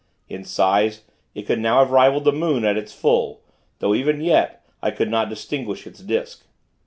In size it could now have rivaled the moon at its full; though, even yet, I could not distinguish its disk.